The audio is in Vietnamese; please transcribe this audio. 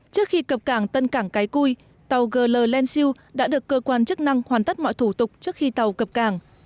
trước khi cập càng tân cảng cái cui tàu gl lan siu đã được cơ quan chức năng hoàn tất mọi thủ tục trước khi tàu cập càng